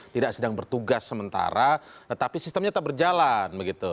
tidak sedang bertugas sementara tetapi sistemnya tetap berjalan begitu